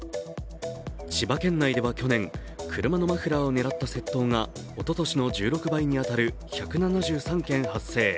千葉県内では去年、車のマフラーを狙った窃盗がおととしの１６倍に当たる１７３件発生。